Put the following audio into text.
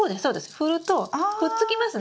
振るとくっつきますね。